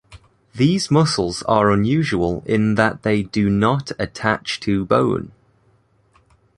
These muscles are unusual in that they do not attach to bone.